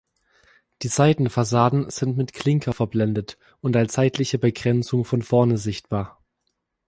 Die Seitenfassaden sind mit Klinker verblendet und als seitliche Begrenzung von vorne sichtbar.